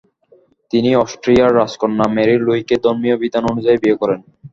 তিনি অস্ট্রিয়ার রাজকন্যা ম্যারি লুইকে ধর্মীয় বিধান অনুযায়ী বিয়ে করেন।